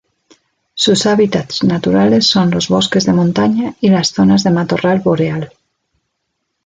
Sus hábitats naturales son los bosques de montaña y las zonas de matorral boreal.